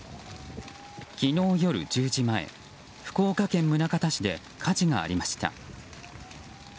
昨日夜１０時前福岡県宗像市で火事がありました。